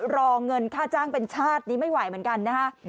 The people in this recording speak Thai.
รอเงินค่าจ้างเป็นชาตินี้ไม่ไหวเหมือนกันนะฮะ